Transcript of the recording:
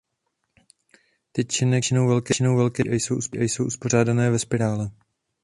Tyčinek je většinou velké množství a jsou uspořádané ve spirále.